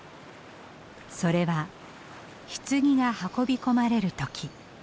それはひつぎが運び込まれる時。